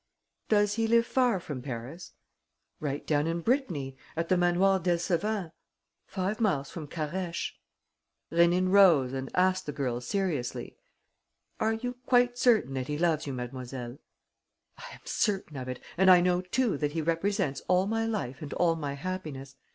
"Does he live far from Paris?" "Right down in Brittany: at the Manoir d'Elseven, five miles from Carhaix." Rénine rose and asked the girl, seriously: "Are you quite certain that he loves you, mademoiselle?" "I am certain of it and I know too that he represents all my life and all my happiness.